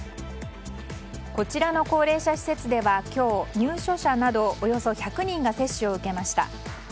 こちらの高齢者施設では今日入所者などおよそ１００人が接種を受けました。